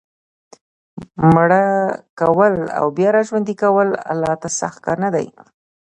مړه کول او بیا را ژوندي کول الله ته سخت کار نه دی.